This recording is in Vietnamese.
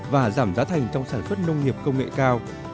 và giảm giá thành trong sản xuất nông nghiệp công nghệ cao